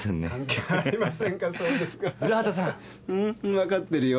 分かってるよ。